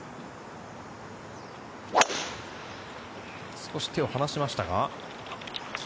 少し手を離しましたか。